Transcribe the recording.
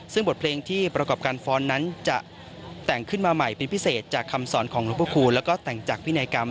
ซึ่งบทเพลงที่ประกอบการฟ้อนนั้นจะแต่งขึ้นมาใหม่เป็นพิเศษจากคำสอนของหลวงพระคูณแล้วก็แต่งจากพินัยกรรม